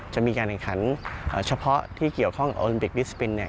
จะมีการแข่งขันเฉพาะที่เกี่ยวข้องกับโอลิมปิกบิสปินเนี่ย